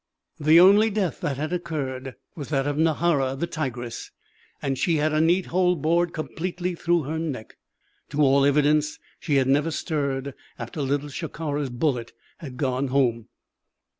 The only death that had occurred was that of Nahara the tigress and she had a neat hole bored completely through her neck. To all evidence, she had never stirred after Little Shikara's bullet had gone home.